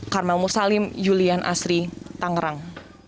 karma musalim julian asri tangerang